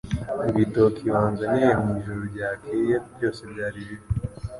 Ibitoki wanzaniye mwijoro ryakeye byose byari bibi